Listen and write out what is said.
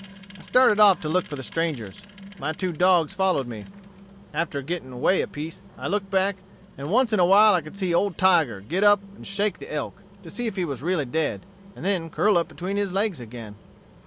"I started off to look for the strangers. My two dogs followed me. After gitting away a piece, I looked back, and once in a while I could see old Tiger git up and shake the elk, to see if he was really dead, and then curl up between his legs agin.